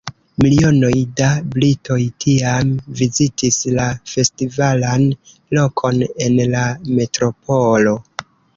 Milionoj da britoj tiam vizitis la festivalan lokon en la metropolo.